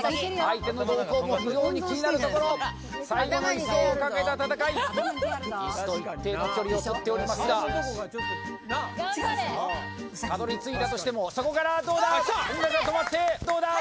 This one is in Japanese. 相手の動向も非常に気になるところ最後の椅子をかけた戦い椅子と一定の距離をとっておりますがたどり着いたとしてもそこからどうだ！